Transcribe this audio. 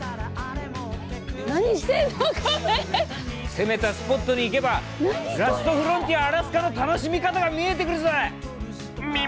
攻めたスポットに行けばラストフロンティアアラスカの楽しみ方が見えてくるぞ！